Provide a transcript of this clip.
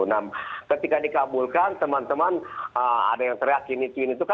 nah ketika dikabulkan teman teman ada yang teriak gini gini